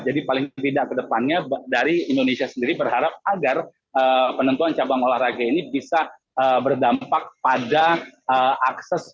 jadi paling tidak ke depannya dari indonesia sendiri berharap agar penentuan cabang olahraga ini bisa berdampak pada akses